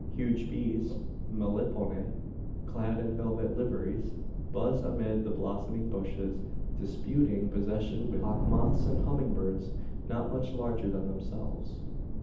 Huge bees (Meliponae), clad in velvet liveries, buzz amid the blossoming bushes, disputing possession with hawkmoths and humming birds not much larger than themselves.